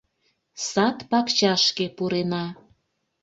Сад пакчашке пурена